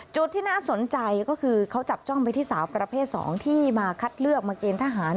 จุดที่น่าสนใจก็คือเขาจับจ้องไปที่สาวประเภท๒ที่มาคัดเลือกมาเกณฑหาร